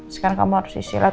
sekarang kamu harus istirahat